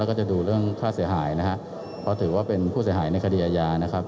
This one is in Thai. แล้วก็จะดูเรื่องค่าเสียหายนะฮะเพราะถือว่าเป็นผู้เสียหายในคดีอาญานะครับ